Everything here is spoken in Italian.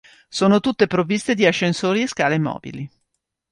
Sono tutte provviste di ascensori e scale mobili.